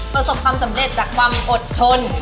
ประสบความสำเร็จจากความอดทน